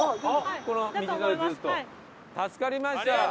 助かりました！